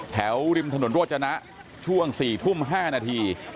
ริมถนนโรจนะช่วง๔ทุ่ม๕นาที